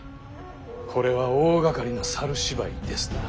これは大がかりな猿芝居ですな。